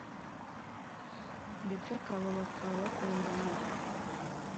ndetse akaba bakaba bakundana